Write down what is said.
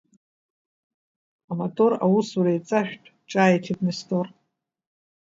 Амотор аусура еиҵашәтә, ҿааиҭит Нестор…